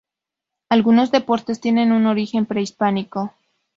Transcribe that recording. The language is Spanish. Algunos deportes tienen un origen prehispánico.